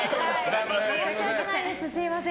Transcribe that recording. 申し訳ないです、すみません。